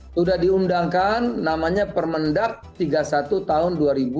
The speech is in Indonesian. sudah diundangkan namanya permendak tiga puluh satu tahun dua ribu dua puluh